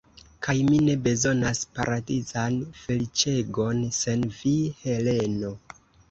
Kaj mi ne bezonas paradizan feliĉegon sen vi, Heleno.